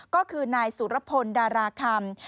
ก็คือนายสุรพลดาราคำ